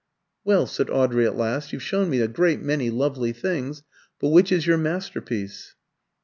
"Well," said Audrey at last, "you've shown me a great many lovely things, but which is your masterpiece?"